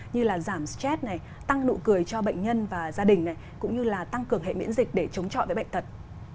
như là giảm stress tăng nụ cười cho bệnh nhân và gia đình cũng như là tăng cường hệ miễn dịch để chống chọi bệnh thật